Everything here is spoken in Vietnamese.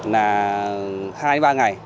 là hai ba ngày